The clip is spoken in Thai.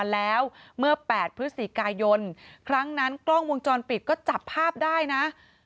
แล้วเมื่อ๘พฤศจิกายนครั้งนั้นกล้องวงจรปิดก็จับภาพได้นะ